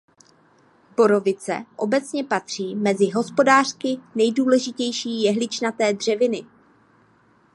Borovice obecně patří mezi hospodářsky nejdůležitější jehličnaté dřeviny.